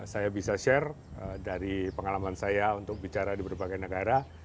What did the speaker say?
saya bisa share dari pengalaman saya untuk bicara di berbagai negara